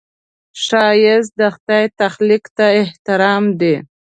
ښایست د خدای تخلیق ته احترام دی